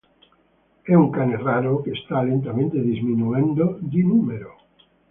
È un cane raro che sta lentamente diminuendo di numero.